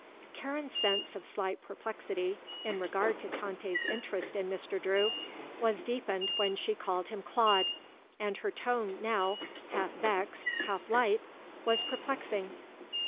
Karen's sense of slight perplexity in regard to Tante's interest in Mr. Drew was deepened when she called him Claude, and her tone now, half vexed, half light, was perplexing.